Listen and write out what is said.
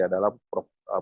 dalam percaya saya